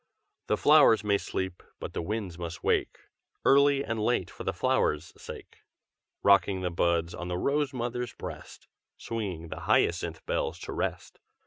The flowers may sleep, but the winds must wake Early and late, for the flowers' sake; Rocking the buds on the rose mother's breast, Swinging the hyacinth bells to rest.